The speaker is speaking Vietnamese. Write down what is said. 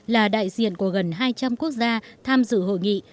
là đại diện của gần hai trăm linh quốc gia tham dự hội nghị